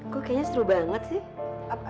kok kayaknya seru banget sih